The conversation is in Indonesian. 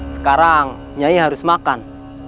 sekarang nyai harus makan